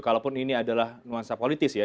kalaupun ini adalah nuansa politis ya